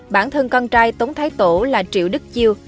bản thân con trai tống thái tổ là triệu đức chiêu